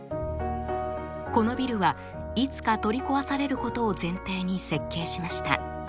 このビルはいつか取り壊されることを前提に設計しました。